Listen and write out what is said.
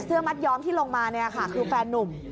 เสื้อมัดย้อมที่ลงมาคือแฟนนุ่ม